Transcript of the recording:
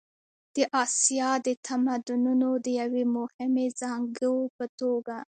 د اسیا د تمدنونو د یوې مهمې زانګو په توګه.